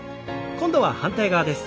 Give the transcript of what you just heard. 今度は反対側です。